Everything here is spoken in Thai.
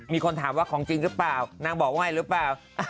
มีคนถามว่าของจริงหรือเปล่านางบอกว่าไงหรือเปล่า